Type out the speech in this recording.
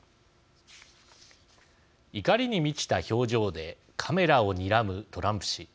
怒りに満ちた表情でカメラをにらむトランプ氏。